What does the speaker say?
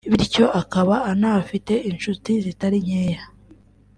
bityo akaba anahafite incuti zitari nkeya